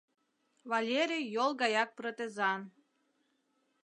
Валерий йол гаяк протезан.